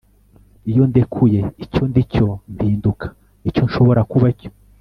iyo ndekuye icyo ndi cyo, mpinduka icyo nshobora kuba cyo